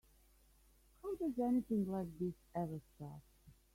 How does anything like this ever start?